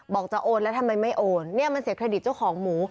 จะโอนแล้วทำไมไม่โอนเนี่ยมันเสียเครดิตเจ้าของหมู